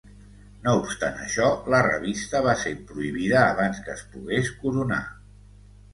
No obstant això, la revista va ser prohibida abans que es pogués coronar.